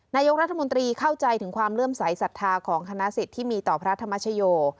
นายกรัฐมนตรีเข้าใจถึงความเลื่อมใสสัทธาของคณะสิทธิ์ที่มีต่อพระธรรมชโย